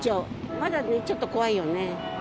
まだちょっと怖いよね。